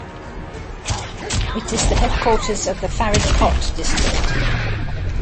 It is the headquarters of the Faridkot district.